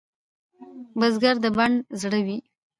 بزګر د بڼ زړه وي